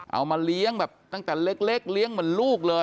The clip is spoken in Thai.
เอามาเลี้ยงตั้งแต่เล็กปีเหมือนลูกเลย